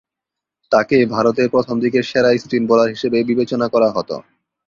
তাকে ভারতে প্রথমদিকের সেরা স্পিন বোলার হিসেবে বিবেচনা করা হতো।